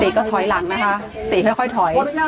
ติ๋ก็ถอยหลังนะคะติ๋ค่อยค่อยถอยขออนุญาตผมยังถ่ายผมน่ะ